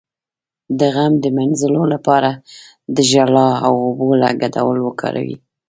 د غم د مینځلو لپاره د ژړا او اوبو ګډول وکاروئ